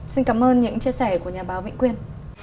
xin cảm ơn những chia sẻ của nhà báo vĩnh quyên